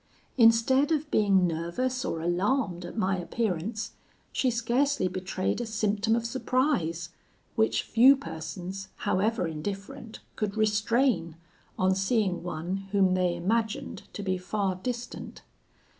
Instead of being nervous or alarmed at my appearance, she scarcely betrayed a symptom of surprise, which few persons, however indifferent, could restrain, on seeing one whom they imagined to be far distant.